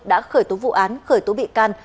đã khởi tố vụ án khởi tố bị can